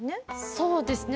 そうですね